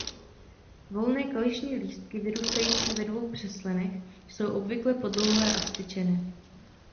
Volné kališní lístky vyrůstající ve dvou přeslenech jsou obvykle podlouhlé a vztyčené.